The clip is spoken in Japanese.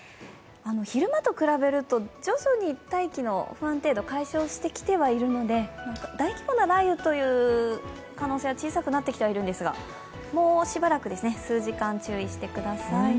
昼間と比べると徐々に大気の不安程度、解消してきてはいるので大規模な雷雨という可能性は小さくなってきてはいるんですがもうしばらく、数時間注意してください。